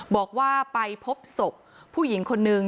บอกว่าไปพบศพผู้หญิงคนนึง